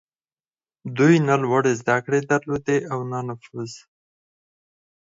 دوی نه لوړې زدهکړې درلودې او نه نفوذ.